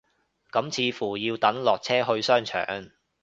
咁似乎要等落車去商場